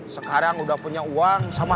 sekarang udah punya uang sama